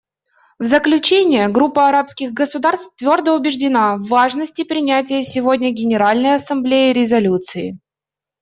В заключение, Группа арабских государств твердо убеждена в важности принятой сегодня Генеральной Ассамблеей резолюции.